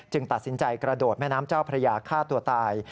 ตัดสินใจกระโดดแม่น้ำเจ้าพระยาฆ่าตัวตาย